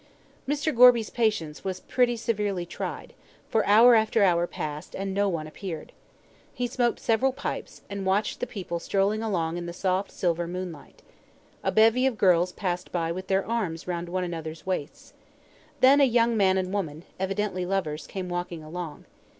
Mr. Gorby's patience was pretty severely tried, for hour after hour passed, and no one appeared. He smoked several pipes, and watched the people strolling along in the soft silver moonlight. A bevy of girls passed by with their arms round one another's waists. Then a young man and woman, evidently lovers, came walking along.